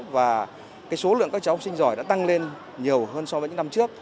và số lượng các cháu học sinh giỏi đã tăng lên nhiều hơn so với những năm trước